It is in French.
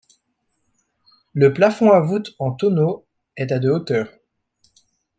Le plafond a voûte en tonneau est à de hauteur.